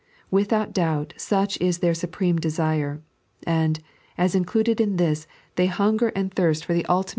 Without doubt, such is their supreme desire ; and, as included in this, they hunger and thirst for the ultimate 3.